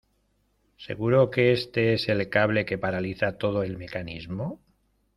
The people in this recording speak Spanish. ¿ seguro que este es el cable que paraliza todo el mecanismo?